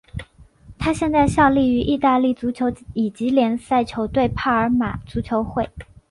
他现在效力于意大利足球乙级联赛球队帕尔马足球会。